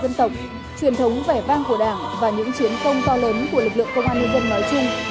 dân tộc truyền thống vẻ vang của đảng và những chiến công to lớn của lực lượng công an nhân dân nói chung